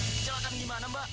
kecelakaan gimana mbak